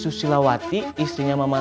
susilawati istrinya maman suherman